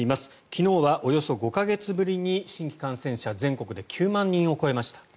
昨日はおよそ５か月ぶりに新規感染者全国で９万人を超えました。